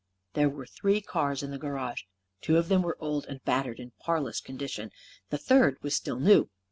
There were three cars in the garage. Two of them were old and battered and in parlous condition. The third was still new.